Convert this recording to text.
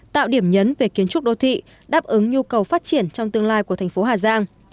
tạo điểm nhấn về kiến trúc đô thị đáp ứng nhu cầu phát triển trong tương lai của thành phố hà giang